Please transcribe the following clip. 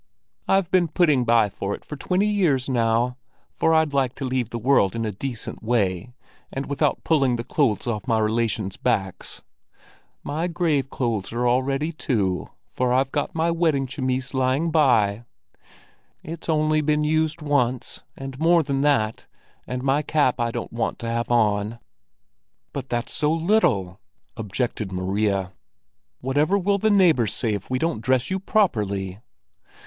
"I've been putting by for it for twenty years now, for I'd like to leave the world in a decent way, and without pulling the clothes off my relations' backs. My grave clothes are all ready, too, for I've got my wedding chemise lying by. It's only been used once, and more than that and my cap I don't want to have on." "But that's so little," objected Maria. "Whatever will the neighbors say if we don't dress you properly?"